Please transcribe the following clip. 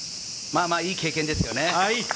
まぁいい経験ですよね。